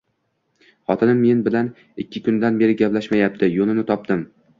Xotinim men bilan ikki kundan beri gaplashmayapti. Yo'lini topdim